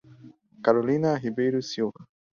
Carolina Ribeiro Silva